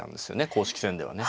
公式戦ではね。